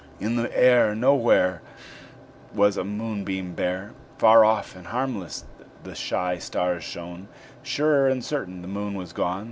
In the air Nowhere Was a moonbeam bare; Far off and harmless the shy stars shone Sure and certain the Moon was gone!